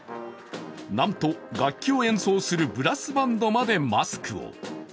なんと楽器を演奏するブラスバンドまでマスクを。